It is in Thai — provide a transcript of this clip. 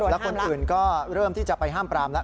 แล้วคนอื่นก็เริ่มที่จะไปห้ามปรามแล้ว